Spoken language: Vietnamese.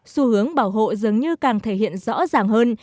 xu hướng bảo hộ dường như càng thể hiện rõ ràng hơn